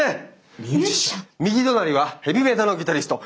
右隣はヘビメタのギタリスト。